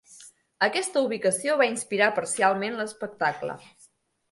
Aquesta ubicació va inspirar parcialment l'espectacle.